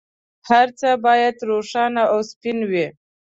هر څه باید روښانه او سپین وي.